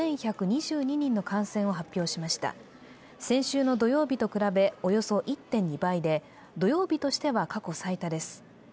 先週の土曜日と比べ、およそ１．２倍で土曜日としては過去最多です。